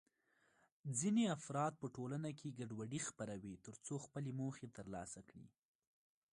ځینې افراد په ټولنه کې ګډوډي خپروي ترڅو خپلې موخې ترلاسه کړي.